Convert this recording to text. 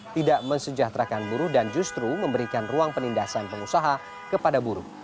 tidak mensejahterakan buruh dan justru memberikan ruang penindasan pengusaha kepada buruh